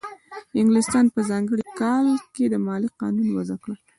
انګلستان په ځانګړي کال کې د مالیې قانون وضع کړ.